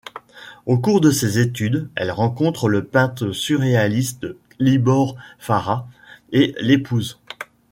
Au cours de ses études, elle rencontre le peintre surréaliste Libor Fára et l'épouse.